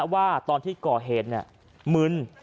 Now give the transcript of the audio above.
ว่าตอนที่ก่อเหตุมึน